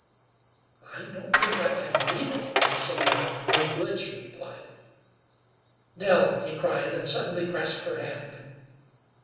"I don't think I can believe it, when you say you are 'no good,'" she replied. "Nell," he cried, and suddenly grasped her hand.